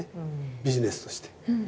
ビジネスとして。